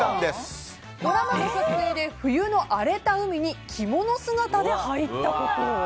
ドラマの撮影で冬の荒れた海に着物姿で入ったこと。